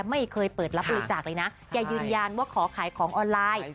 ไม่เคยเปิดรับบริจาคเลยนะแกยืนยันว่าขอขายของออนไลน์